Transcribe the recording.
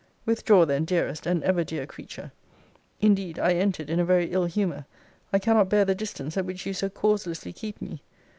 Withdraw, then, dearest, and ever dear creature. Indeed I entered in a very ill humour. I cannot bear the distance at which you so causelessly keep me.